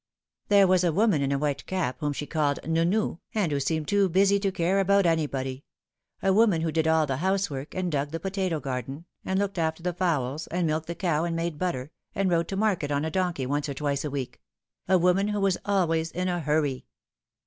There was a woman in a white cap whom she called Nounou, and who seemed too busy to care about anybody ; a woman who did all the housework, and dug the potato garden, and looked after the fowls, and milked the cow and made butter, and rode to market on a donkey once or twice a week : a woman who v/as always in a hurry.